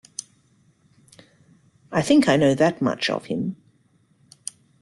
I think I know that much of him.